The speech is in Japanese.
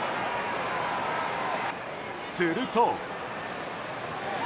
すると。